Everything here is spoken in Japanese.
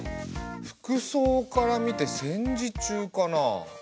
服装から見て戦時中かな？